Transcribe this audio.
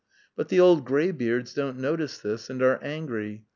But the old grey beards don't notice this, and are angry.